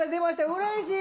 うれしい！